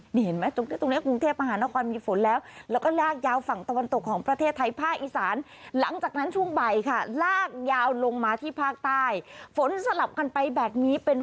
เห็นไหมตรงนี้กรุงเทพฯมหานครมีฝนแล้ว